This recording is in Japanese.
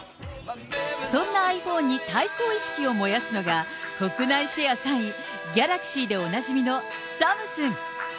そんなｉＰｈｏｎｅに対抗意識を燃やすのが、国内シェア３位、Ｇａｌａｘｙでおなじみのサムスン。